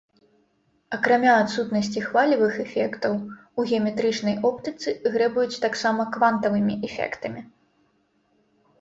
Акрамя адсутнасці хвалевых эфектаў, у геаметрычнай оптыцы грэбуюць таксама квантавымі эфектамі.